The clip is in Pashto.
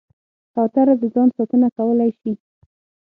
کوتره د ځان ساتنه کولی شي.